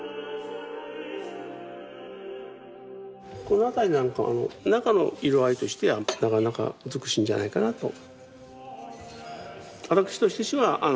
この辺りなんか中の色合いとしてはなかなか美しいんじゃないかなと。